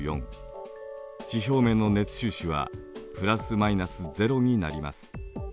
地表面の熱収支はプラスマイナスゼロになります。